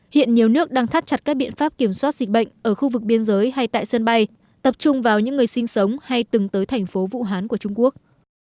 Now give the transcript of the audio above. hiện nhiều nước đang thắt chặt các biện pháp kiểm soát dịch bệnh ở khu vực biên giới hay tại sân bay tập trung vào những người sinh sống hay từng tới thành phố vũ hán của trung quốc